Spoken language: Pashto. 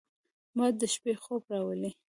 باد د شپې خوب راولي